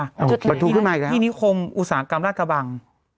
จุดไหนครับจุดไหนครับอีกแล้วครับที่นิคมอุตสาหกรรมราชกระบัง